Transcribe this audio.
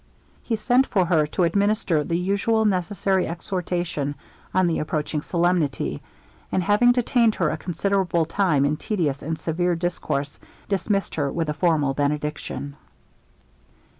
He sent for her to administer the usual necessary exhortation on the approaching solemnity; and having detained her a considerable time in tedious and severe discourse, dismissed her with a formal benediction.